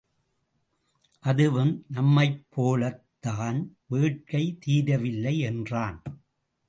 அதுவும் நம்மைப்போலத்தான் வேட்கை தீரவில்லை என்றான்.